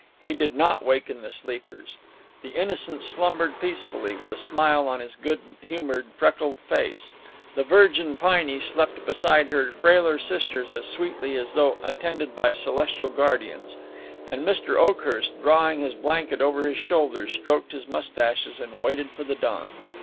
He did not waken the sleepers. The Innocent slumbered peacefully, with a smile on his good humored, freckled face; the virgin Piney slept beside her frailer sisters as sweetly as though attended by celestial guardians; and Mr. Oakhurst, drawing his blanket over his shoulders, stroked his mustaches and waited for the dawn.